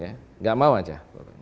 tidak mau saja